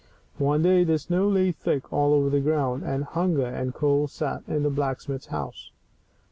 One day the snow lay thick all over the ground, and hunger and cold sat in the blacksmith's house.